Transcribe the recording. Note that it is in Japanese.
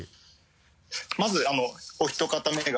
まずお一方目が。